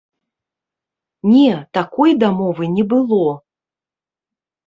Не, такой дамовы не было!